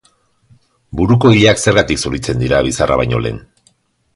Buruko ileak zergatik zuritzen diren bizarra baino lehen?